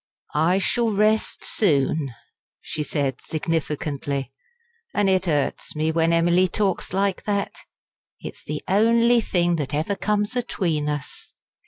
"I shall rest soon," she said significantly. "An' it hurts me when Emily talks like that. It's the only thing that ever comes atween us.